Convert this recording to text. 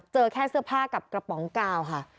เจอแค่เสื้อผ้ากับกระป๋องกาวค่ะ